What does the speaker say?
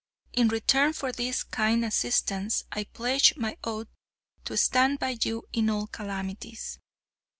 In return for this kind assistance I pledge my oath to stand by you in all calamities.